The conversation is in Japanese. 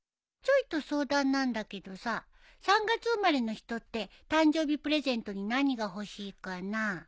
ちょいと相談なんだけどさ３月生まれの人って誕生日プレゼントに何が欲しいかな？